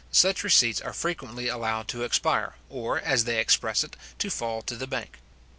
such receipts are frequently allowed to expire, or, as they express it, to fall to the bank.